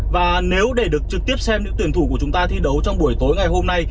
và nếu để được trực tiếp xem những tuyển thủ của chúng ta thi đấu trong buổi tối ngày hôm nay